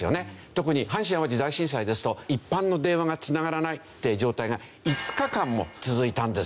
特に阪神・淡路大震災ですと一般の電話がつながらないっていう状態が５日間も続いたんですよね。